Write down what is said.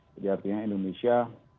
jadi artinya indonesia